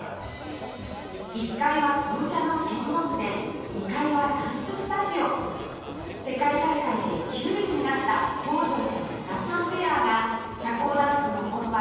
１階は紅茶の専門店２階はダンススタジオ世界大会で９位になった北條さん須田さんペアが社交ダンスの本場